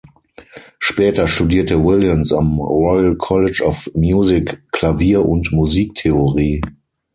Später studierte Williams am Royal College of Music Klavier und Musiktheorie.